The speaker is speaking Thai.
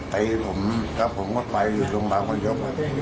ตีผมแล้วผมก็ไปอยู่โรงพยาบาลพระยก